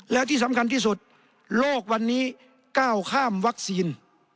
และที่สำคัญที่สุดโลกวันนี้ก้าวข้ามวัคซีน